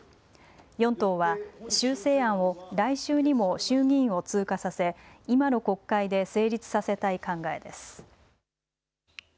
４党は修正案を来週にも衆議院を通過させ今の国会で成立させたい考えです。